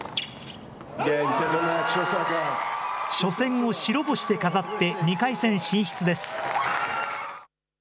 初戦を白星で飾って２回戦進出です。